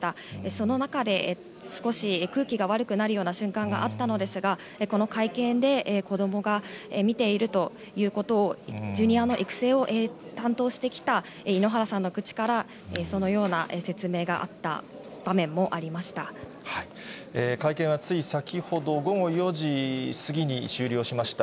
その中で少し、空気が悪くなるような瞬間があったのですが、この会見で、子どもが見ているということを、ジュニアの育成を担当してきた井ノ原さんの口からそのような説明会見はつい先ほど、午後４時過ぎに終了しました。